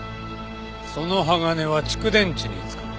その鋼は蓄電池に使った。